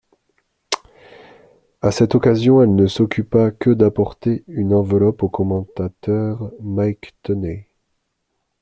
À cette occasion, elle ne s'occupa que d'apporter une enveloppe au commentateur Mike Tenay.